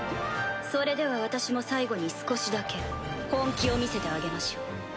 それでは私も最後に少しだけ本気を見せてあげましょう。